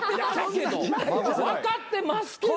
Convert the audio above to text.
分かってますけど。